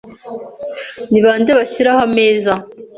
Ni bande bashiraho ameza?